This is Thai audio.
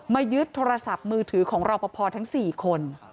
ยึดโทรศัพท์มือถือของรอปภทั้ง๔คน